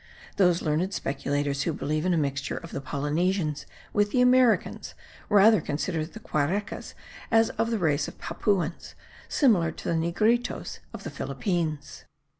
Those learned speculators who believe in a mixture of the Polynesians with the Americans rather consider the Quarecas as of the race of Papuans, similar to the negritos of the Philippines.